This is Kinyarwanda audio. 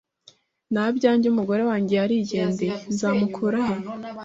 Nta byanjye umugore wanjye yarigendeye nzamukura he